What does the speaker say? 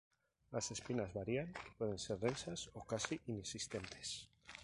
Las espinas varían y pueden ser densas o casi inexistentes.